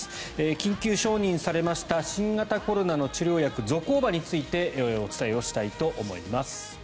緊急承認されました新型コロナの治療薬ゾコーバについてお伝えしたいと思います。